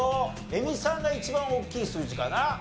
映美さんが一番大きい数字かな。